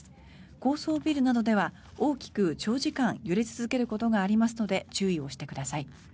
高層ビルなどでは大きく長時間揺れ続けることがありますので注意をしてください。